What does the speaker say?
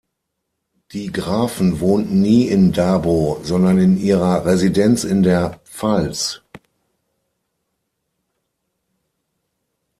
Die Grafen wohnten nie in Dabo, sondern in ihrer Residenz in der Pfalz.